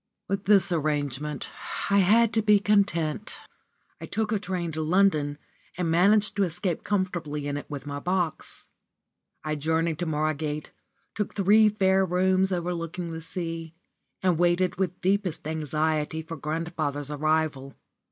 With this arrangement I had to be content. I took a train to London, and managed to escape comfortably in it with my box. I journeyed to Margate, took three fair rooms overlooking the sea, and waited with deepest anxiety for grandfather's arrival.